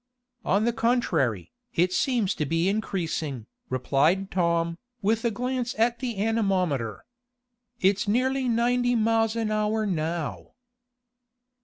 "On the contrary, it seems to be increasing," replied Tom, with a glance at the anemometer. "It's nearly ninety miles an hour now."